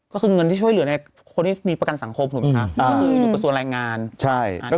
ก็คือเงินที่ช่วยเหลือในคนที่มีประกันสังคมถูกไหมคะ